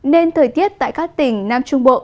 nên thời tiết tại các tỉnh nam trung bộ